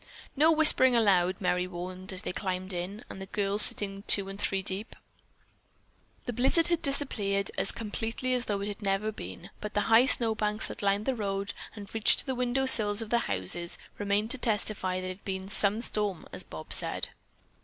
"No whispering allowed," Merry warned as they climbed in, the girls sitting two and three deep. The blizzard had disappeared as completely as though it never had been, but the high snowbanks that lined the road and reached to the window sills of the houses remained to testify that it had been "some storm," as Bob said.